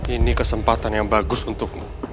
ini kesempatan yang bagus untukmu